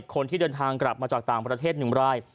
คนที่เดินทางกลับมาจากต่างประเทศ๑ราย